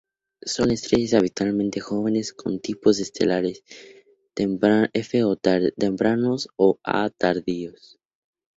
Son estrellas habitualmente jóvenes con tipos espectrales F-tempranos o A-tardíos.